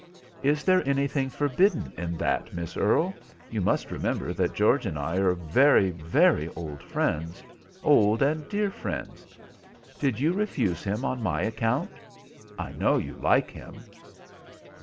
"Is there anything forbidden in that, Miss Earle? You must remember that George and I are very, very old friends, old and dear friends. Did you refuse him on my account? I know you like him."